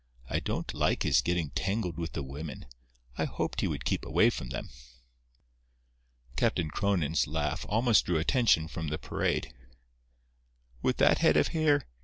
I don't like his getting tangled with the women. I hoped he would keep away from them." Captain Cronin's laugh almost drew attention from the parade. "With that head of hair!